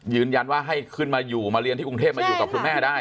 ยืนยันว่าให้ขึ้นมาอยู่มาเรียนที่กรุงเทพมาอยู่กับคุณแม่ได้